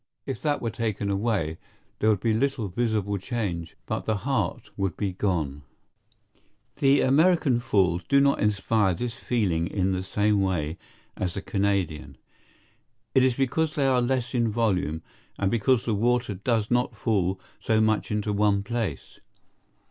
If that were taken away, there would be little visible change, but the heart would be gone. The American Falls do not inspire this feeling in the same way as the Canadian. It is because they are less in volume, and because the water does not fall so much into one place.